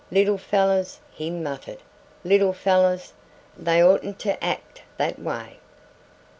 "Little fellers," he muttered, "little fellers, they oughtn't ter act that way."